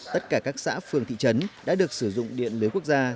tất cả các xã phường thị trấn đã được sử dụng điện lưới quốc gia